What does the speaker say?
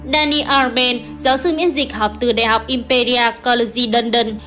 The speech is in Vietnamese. dani arben giáo sư miễn dịch học từ đại học imperial college london